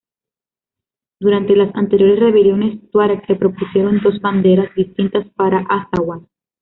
Durante las anteriores rebeliones tuareg se propusieron dos banderas distintas para Azawad.